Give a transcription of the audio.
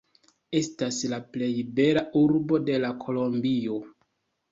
Estas la plej bela urbo de la Kolombio.